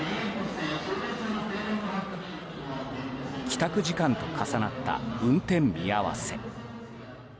帰宅時間と重なった運転見合わせ。